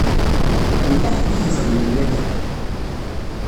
Yella ḥedd i t-ixedmen yakan.